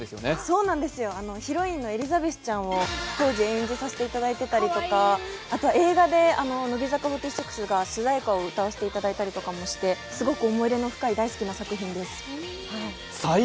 そうなんですよ、ヒロインのエリザベスを当時演じさせていただいたりあとは映画で乃木坂４６が主題歌を歌わせていただいたりとかもして、すごく思い入れの深い、大好きな作品です。